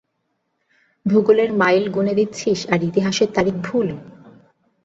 ভূগোলের মাইল গুনে দিচ্ছিস, আর ইতিহাসের তারিখ ভুল?